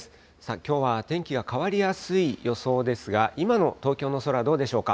きょうは天気が変わりやすい予想ですが、今の東京の空、どうでしょうか？